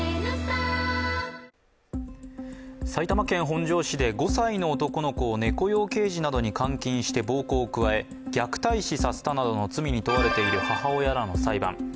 埼玉県本庄市で５歳の男の子を猫用ケージなどに監禁して暴行を加え虐待死させたなどの罪に問われている母親らの裁判。